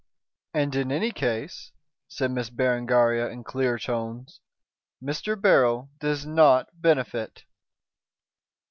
"And in any case," said Miss Berengaria in clear tones, "Mr. Beryl does not benefit."